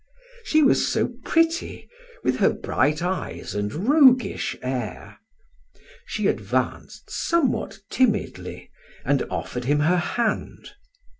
She was so pretty, with her bright eyes and roguish air! She advanced somewhat timidly and offered him her hand.